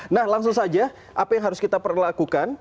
nah langsung saja apa yang harus kita perlakukan